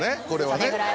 これはね